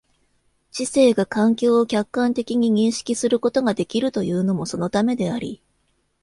知性が環境を客観的に認識することができるというのもそのためであり、